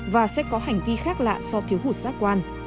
và sẽ có hành vi khác lạ so với thiếu hụt xác quan